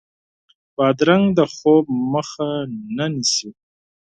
بادرنګ د خوب مخه نه نیسي.